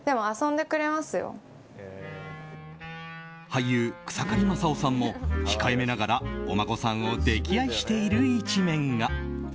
俳優・草刈正雄さんも控えめながらお孫さんを溺愛している一面が。